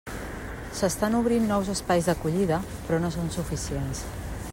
S'estan obrint nous espais d'acollida, però no són suficients.